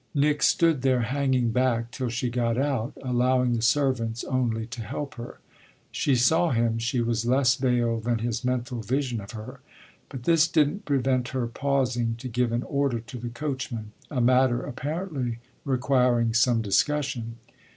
Nick stood there hanging back till she got out, allowing the servants only to help her. She saw him she was less veiled than his mental vision of her; but this didn't prevent her pausing to give an order to the coachman, a matter apparently requiring some discussion.